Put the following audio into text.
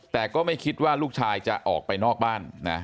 แต่ก็ไม่คิดว่าลูกชายจะออกไปนอกบ้านนะ